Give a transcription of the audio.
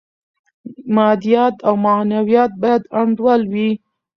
مادیات او معنویات باید انډول وي.